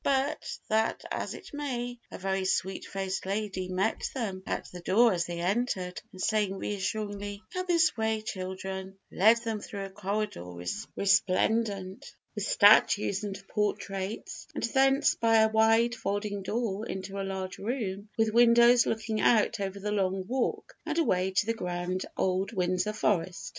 Be that as it may, a very sweet faced lady met them at the door as they entered, and saying reassuringly, "Come this way, children," led them through a corridor resplendent with statues and portraits, and thence by a wide folding door into a large room, with windows looking out over the Long Walk and away to the grand old Windsor Forest.